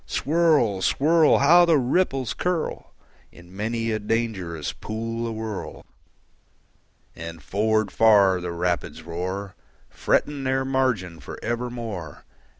Swirl, swirl! How the ripples curl In many a dangerous pool awhirl! And forward far the rapids roar, Fretting their margin for evermore.